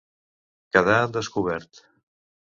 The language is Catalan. Quedar en descobert.